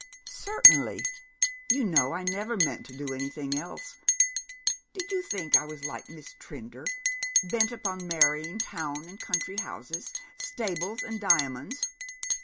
'Certainly. You know I never meant to do anything else. Did you think I was like Miss Trinder, bent upon marrying town and country houses, stables and diamonds?'